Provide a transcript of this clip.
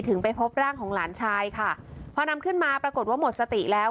ไปพบร่างของหลานชายค่ะพอนำขึ้นมาปรากฏว่าหมดสติแล้ว